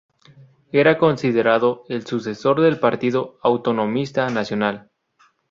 Era considerado el sucesor del Partido Autonomista Nacional.